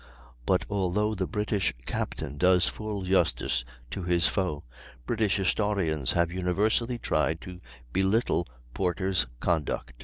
But although the British captain does full justice to his foe, British historians have universally tried to belittle Porter's conduct.